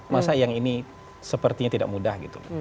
masa yang ini sepertinya tidak mudah gitu